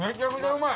うまい。